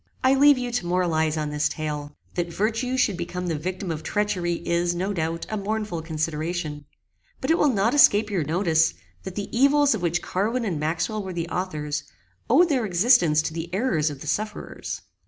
I leave you to moralize on this tale. That virtue should become the victim of treachery is, no doubt, a mournful consideration; but it will not escape your notice, that the evils of which Carwin and Maxwell were the authors, owed their existence to the errors of the sufferers.